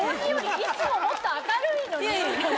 いつももっと明るいのに。